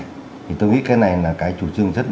thì tôi nghĩ cái này là cái chủ trương rất là đúng